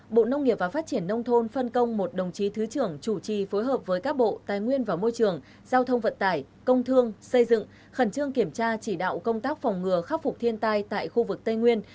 bộ nông nghiệp và phát triển nông thôn phân công một đồng chí thứ trưởng chủ trì phối hợp với các bộ tài nguyên và môi trường giao thông vận tải công thương xây dựng khẩn trương kiểm tra chỉ đạo công tác phòng ngừa khắc phục thiên tai tại khu vực tây nguyên